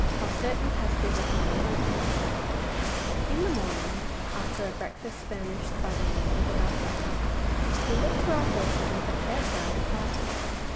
Of certain Passages upon the Moor In the morning, after a breakfast furnished by the remains of our supper, we looked to our horses and prepared for our departure.